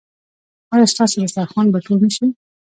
ایا ستاسو دسترخوان به ټول نه شي؟